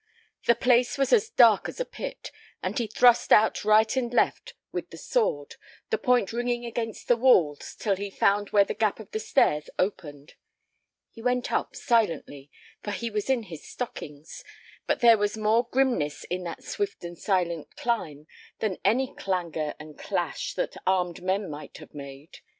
The place was as dark as a pit, and he thrust out right and left with the sword, the point ringing against the walls till he found where the gap of the stairs opened. He went up silently, for he was in his stockings, but there was more grimness in that swift and silent climb than any clangor and clash that armed men might have made.